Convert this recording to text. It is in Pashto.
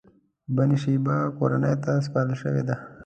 د بنی شیبه کورنۍ ته سپارل شوې ده.